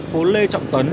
phố lê trọng tấn